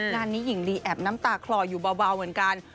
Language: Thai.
งานนี้หญิงลีแอบน้ำตาคลออยู่เบาเหมือนกัน